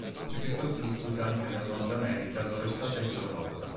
È piuttosto diffusa anche nel Nord America, dove è stata introdotta.